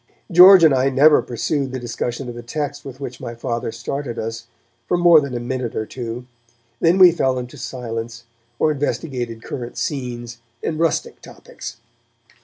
George and I never pursued the discussion of the text with which my Father started us for more than a minute or two; then we fell into silence, or investigated current scenes and rustic topics.